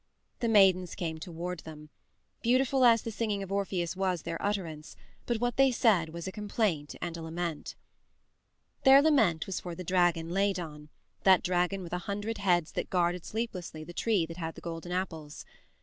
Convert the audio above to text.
The maidens came toward them. Beautiful as the singing of Orpheus was their utterance, but what they said was a complaint and a lament. Their lament was for the dragon Ladon, that dragon with a hundred heads that guarded sleeplessly the tree that had the golden apples.